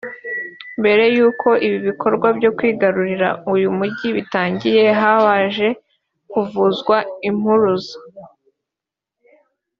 Mbere y’uko ibikorwa byo kwigarurira uyu mugi bitangira habaje kuvuzwa impuruza